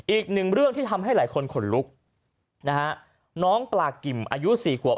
อีกหนึ่งเรื่องที่ทำให้หลายคนขนลุกนะฮะน้องปลากิ่มอายุสี่ขวบ